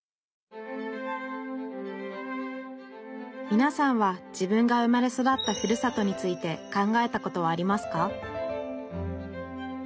みなさんは自分が生まれ育ったふるさとについて考えたことはありますか？